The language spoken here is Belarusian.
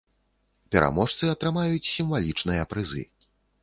Пераможцы атрымаюць сімвалічныя прызы.